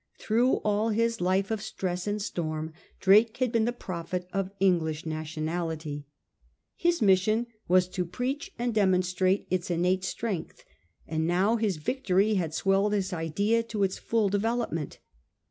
Through all his life of stress and storm Drake had been the prophet of English nationality. His mission was to preach and demonstrate its innate strength, and now his victory had swelled his idea to its full development.